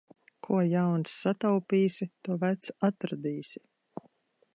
Ko jauns sataupīsi, to vecs atradīsi.